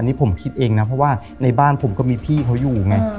นี่ผมคิดเองนะเพราะว่าในบ้านผมก็มีพี่เขาอยู่ไง